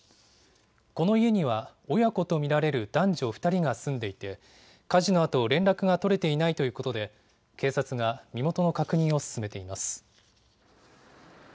この家には親子と見られる男女２人が住んでいて火事のあと連絡が取れていないということで警察が身元の確認を進めています。